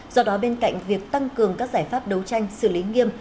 do đó bên cạnh việc tăng cường các giải pháp đấu tranh xử lý nghiêm